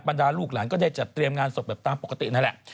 ดาลูกหลานก็ได้จัดเตรียมงานศพแบบตามปกตินั่นแหละ